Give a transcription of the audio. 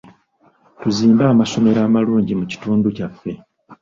Tuzimbe amasomero amalungi mu kitundu kyaffe.